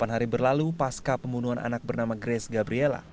delapan hari berlalu pasca pembunuhan anak bernama grace gabriela